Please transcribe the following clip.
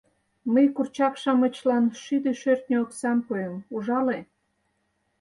— Мый курчак-шамычлан шӱдӧ шӧртньӧ оксам пуэм, ужале.